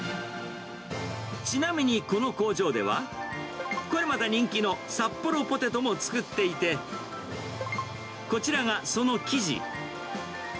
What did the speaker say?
ちなみにこの工場では、これまた人気のサッポロポテトも作っていて、こちらがその生地。